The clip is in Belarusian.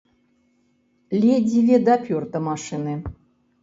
Ледзьве дапёр да машыны!